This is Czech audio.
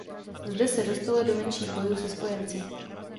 Zde se dostaly do menších bojů se Spojenci.